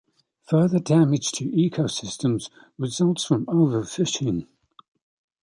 Further damage to ecosystems results from overfishing.